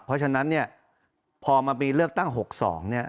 เพราะฉะนั้นเนี่ยพอมาปีเลือกตั้ง๖๒เนี่ย